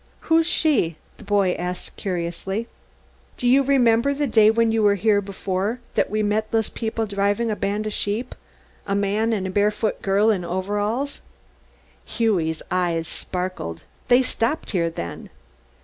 "Who's she?" the boy asked curiously. "Do you remember the day when you were here before that we met those people driving a band of sheep a man and a barefooted girl in overalls?" Hughie's eyes sparkled: "They stopped here, then?"